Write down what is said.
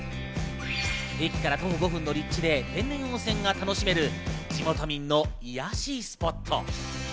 駅から徒歩５分の立地で天然温泉が楽しめる地元民の癒やしスポット。